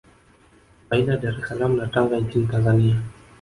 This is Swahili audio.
Baina ya Dar es Salaam na Tanga nchini Tanzania